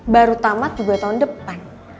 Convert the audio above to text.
baru tamat juga tahun depan